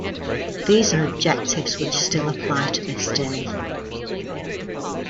These are objectives which still apply to this day.